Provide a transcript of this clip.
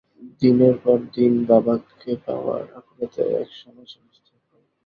দিনের পর দিন বাবাকে পাওয়ার আকুলতায় একসময় সে অসুস্থ হয়ে পড়ে।